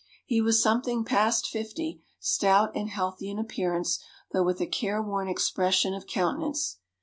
He was something past fifty, stout and healthy in appearance, though with a careworn expression of countenance.